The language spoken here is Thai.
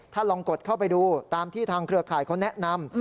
ถ้าลองกดเข้าไปดูตามที่ทางเครือข่ายเขาแนะนำ